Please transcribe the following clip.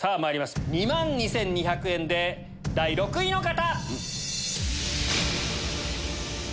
２万２２００円で第６位の方！